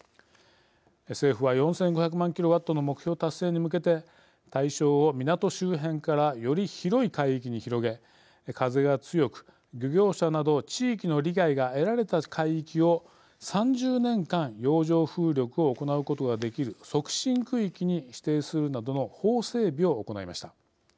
政府は４５００万ｋＷの目標達成に向けて対象を港周辺からより広い海域に広げ風が強く漁業者など地域の理解が得られた海域を３０年間、洋上風力を行うことができる促進区域に指定するなどの法整備を行いました。